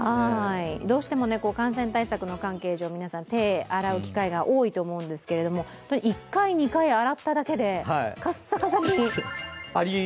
どうしても感染対策の関係上、手を洗う機会が多いと思うんですけれども１回、２回洗っただけでカッサカサに。